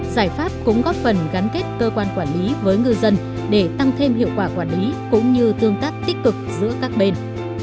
giải pháp cũng góp phần gắn kết cơ quan quản lý với ngư dân để tăng thêm hiệu quả quản lý cũng như tương tác tích cực giữa các bên